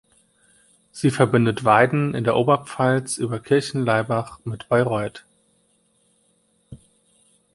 Sie verbindet Weiden in der Oberpfalz über Kirchenlaibach mit Bayreuth.